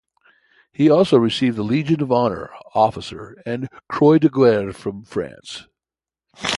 He also received the Legion of Honor (Officer) and Croix de Guerre from France.